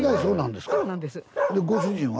でご主人は？